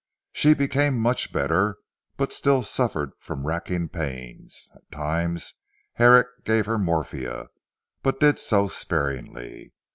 She became much better, but still suffered from racking pains. At times Herrick gave her morphia, but did so sparingly.